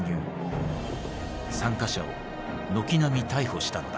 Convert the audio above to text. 参加者を軒並み逮捕したのだ。